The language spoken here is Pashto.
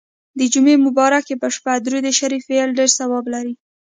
د جمعې مبارڪي په شپه درود شریف ویل ډیر ثواب لري.